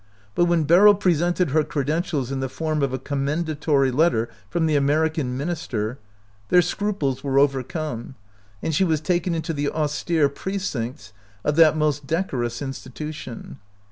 But when Beryl pre sented her credentials in the form of a commendatory letter from the American minister, their scruples were overcome, and she was taken into the austere precincts of that most decorous institution.